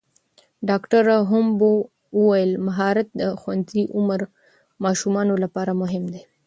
ډاکټره هومبو وویل مهارت د ښوونځي عمر ماشومانو لپاره مهم دی.